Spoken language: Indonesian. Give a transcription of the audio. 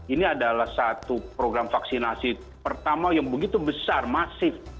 ini adalah satu program vaksinasi pertama yang begitu besar masif